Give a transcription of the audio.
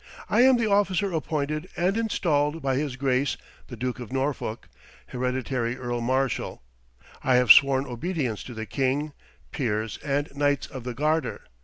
I am the officer appointed and installed by his grace the Duke of Norfolk, hereditary Earl Marshal. I have sworn obedience to the king, peers, and knights of the garter.